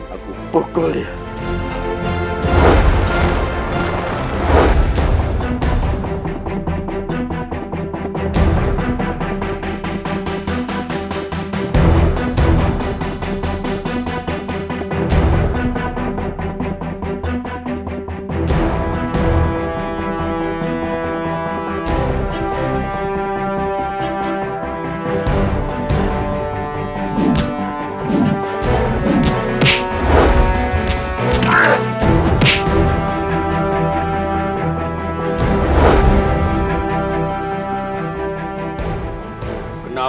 aku pukul dia